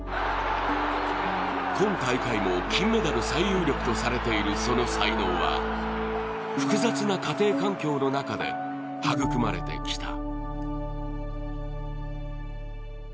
今大会も金メダル最有力とされているその才能は複雑な家庭環境の中で育まれてきた。